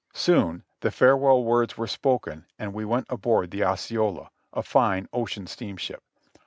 Soon the farewell words were spoken and we went aboard the Osceola, a fine ocean steamship.